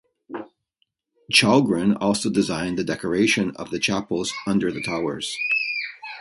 Chalgrin also designed the decoration of the chapels under the towers.